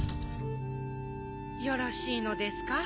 よろしいのですか？